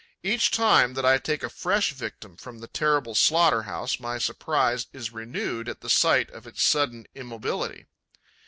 Each time that I take a fresh victim from the terrible slaughter house, my surprise is renewed at the sight of its sudden immobility.